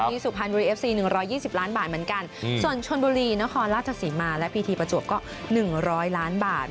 สุพรรณบุรีเอฟซี๑๒๐ล้านบาทเหมือนกันส่วนชนบุรีนครราชสีมาและพีทีประจวบก็๑๐๐ล้านบาท